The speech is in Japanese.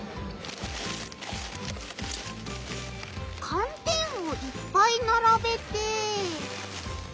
寒天をいっぱいならべて。